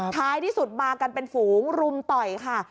ท้ายที่สุดมากันเป็นฝูงรุมต่อยค่ะ